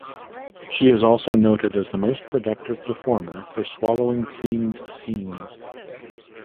She is also noted as the most productive performer for swallowing themed scenes.